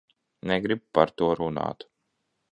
Negribu par to runāt.